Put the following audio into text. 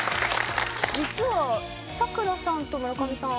実は桜さんと村上さん